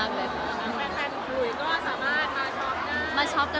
แล้วแม่แฟนหวยก็สามารถมาช้อปกัน